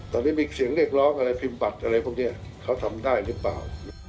ตอนนี้มีเสียงเรียกร้องอะไรพิมพ์บัตรอะไรพวกนี้เขาทำได้หรือเปล่า